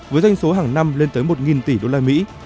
với doanh số hàng năm lên tới một tỷ usd